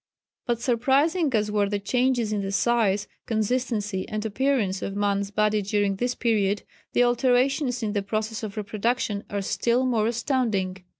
But surprising as were the changes in the size, consistency, and appearance of man's body during this period, the alterations in the process of reproduction are still more astounding.